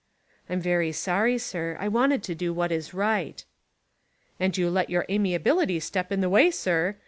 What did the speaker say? "I'm very sorry, sir. I wanted to do what is right." "And you let your amiability step in the way, sir.